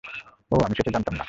ও, আমি সেটা জানতাম না।